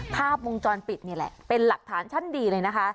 ภาพวงจรปิดนี่แหละเป็นหลักฐานชั้นดีเลยนะคะ